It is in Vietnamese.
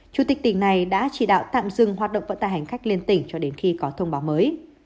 chủ tịch tỉnh này đã chỉ đạo tạm dừng hoạt động vận tài hành khách liên tỉnh cho đến khi có thông báo mới